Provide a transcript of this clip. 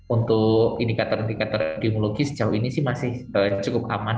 untuk indikator indikator epidemiologi sejauh ini sih masih cukup aman